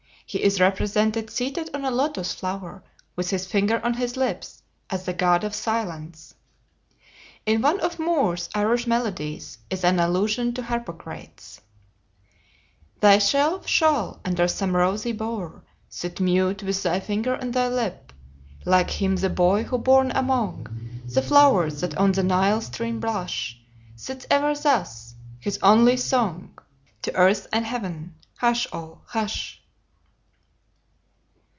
He is represented seated on a Lotus flower, with his finger on his lips, as the god of Silence. In one of Moore's "Irish Melodies" is an allusion to Harpocrates: "Thyself shall, under some rosy bower, Sit mute, with thy finger on thy lip; Like him, the boy, who born among The flowers that on the Nile stream blush, Sits ever thus, his only song To Earth and Heaven, 'Hush all, hush!'"